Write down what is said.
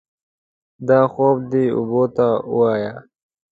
دا خوب دې اوبو ته ووايي.